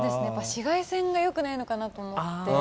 紫外線がよくないのかなと思って。